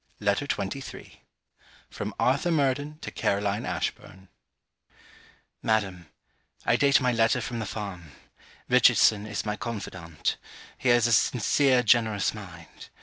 VALMONT LETTER XXIII FROM ARTHUR MURDEN TO CAROLINE ASHBURN Madam, I date my letter from the farm. Richardson is my confidant. He has a sincere generous mind.